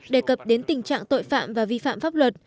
đề cập đến tình trạng tội phạm và vi phạm pháp luật